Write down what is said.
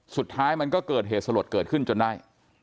สุดท้ายมันก็เกิดเหตุสลดเกิดขึ้นจนได้